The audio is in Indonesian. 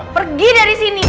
pergi dari sini